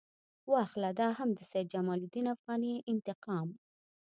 واخله دا هم د سید جمال الدین افغاني انتقام.